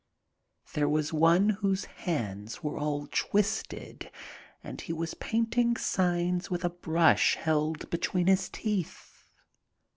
There was one whose hands were all twisted and he was painting signs with a brush held between his teeth.